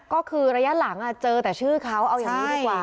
ก็คือระยะหลังเจอแต่ชื่อเขาเอาอย่างนี้ดีกว่า